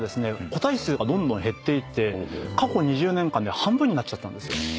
個体数がどんどん減って過去２０年間で半分になっちゃったんですよ。